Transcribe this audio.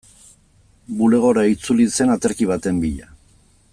Bulegora itzuli zen aterki baten bila.